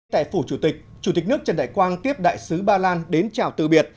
tại phủ chủ tịch chủ tịch nước trần đại quang tiếp đại sứ ba lan đến chào tự biệt